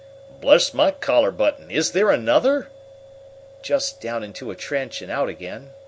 "Bless my collar button! is there another?" "Just down into a trench and out again."